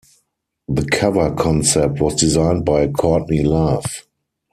The cover concept was designed by Courtney Love.